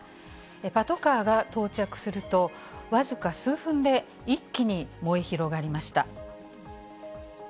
パトカーが到着すると、僅か数分で一気に燃え広がりました。